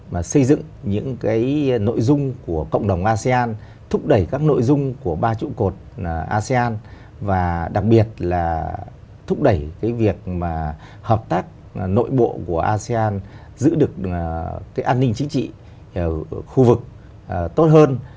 mà xây dựng những cái nội dung của cộng đồng asean thúc đẩy các nội dung của ba trụ cột asean và đặc biệt là thúc đẩy cái việc mà hợp tác nội bộ của asean giữ được cái an ninh chính trị khu vực tốt hơn